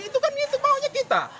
itu kan itu maunya kita